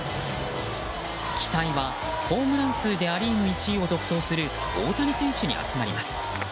期待はホームラン数でア・リーグ１位を独走する大谷選手に集まります。